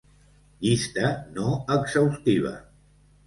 Llista no exhaustiva.